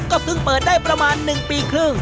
ก็เพิ่งเปิดได้ประมาณ๑ปีครึ่ง